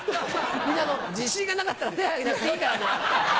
みんな自信がなかったら手挙げなくていいからな。